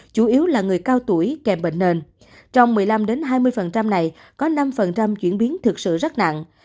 chủ yếu là người cao tuổi kèm bệnh nền trong một mươi năm hai mươi này có năm chuyển biến thực sự rất nặng